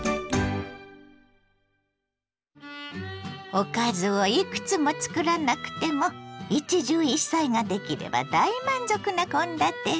おかずをいくつもつくらなくても一汁一菜ができれば大満足な献立に。